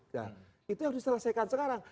nah itu yang harus diselesaikan sekarang